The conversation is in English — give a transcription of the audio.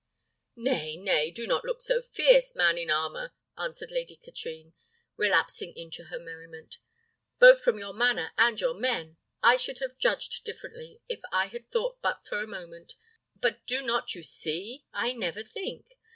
"Nay, nay, do not look so fierce, man in armour," answered Lady Katrine, relapsing into her merriment. "Both from your manner and your mien, I should have judged differently, if I had thought but for a moment; but do not you see, I never think?